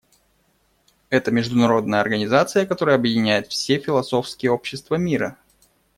Это международная организация, которая объединяет все философские общества мира.